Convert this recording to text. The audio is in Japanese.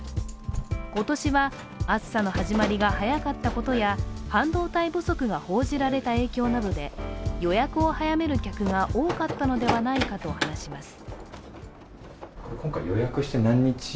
今年は暑さの始まりが早かったことや半導体不足が報じられた影響などで予約を早める客が多かったのではないかと話します。